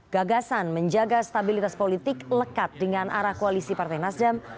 gagasan menjaga stabilitas politik lekat dengan arah koalisi partai nasdem